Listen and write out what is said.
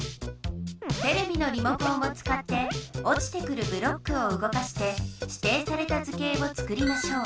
テレビのリモコンをつかっておちてくるブロックをうごかしてしていされた図形をつくりましょう。